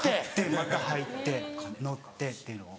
また入って乗ってっていうのを。